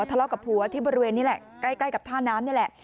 ทะเลาะกับผัวที่บริเวณนี้แหละใกล้กับท่าน้ำนี่แหละ